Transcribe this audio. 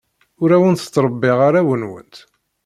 Ur awent-ttṛebbiɣ arraw-nwent.